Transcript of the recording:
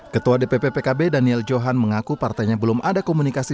ketua dpp pkb daniel johan mengaku partainya belum ada komunikasi